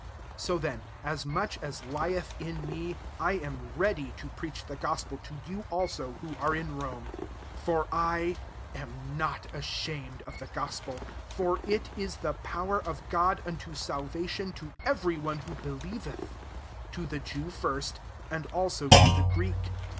15 So then, as much as lieth in me, I am ^eady to preach the gospel to you also who are in Rome. 16 For I am not asham ed of the gospel : for it is the power of God unto salvation to every one^ who believeth; to the Jew first, and also to the Greek.